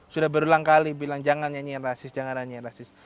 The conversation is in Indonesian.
sudah berulang kali bilang jangan nyanyi yang rasis jangan nyanyi yang rasis